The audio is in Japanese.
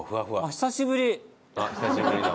久しぶりの。